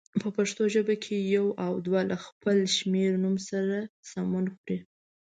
په پښتو ژبه کې یو او دوه له خپل شمېرنوم سره سمون خوري.